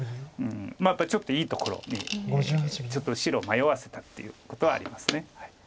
やっぱりちょっといいところにちょっと白を迷わせたっていうことはあります。